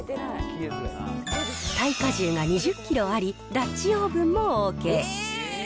耐荷重が２０キロあり、ダッチオーブンもＯＫ。